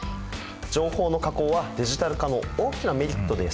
情報の加工はディジタル化の大きなメリットです。